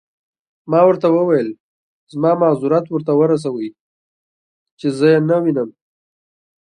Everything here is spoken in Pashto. ما ورته وویل: زما معذرت ورته ورسوئ، چې زه يې نه وینم.